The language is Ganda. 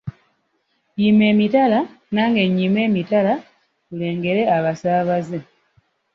Yima emitala nange nnyime emitala tulengere abasaabaze